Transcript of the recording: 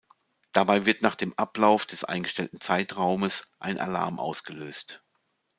Dabei wird nach dem Ablauf des eingestellten Zeitraumes ein Alarm ausgelöst.